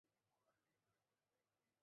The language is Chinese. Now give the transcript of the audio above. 类似的多硫化钙用作杀虫剂。